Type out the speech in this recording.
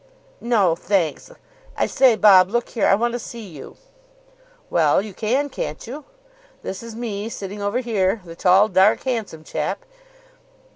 "No, thanks. I say, Bob, look here, I want to see you." "Well, you can, can't you? This is me, sitting over here. The tall, dark, handsome chap."